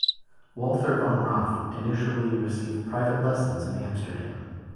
Walther vom Rath initially received private lessons in Amsterdam.